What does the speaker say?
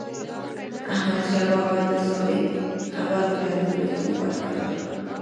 احمدشاه بابا به د سولي خبرو ته لومړیتوب ورکاوه.